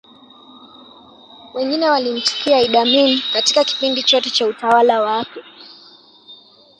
wengi walimchukia idd amin Katika kipindi chote cha utawala wake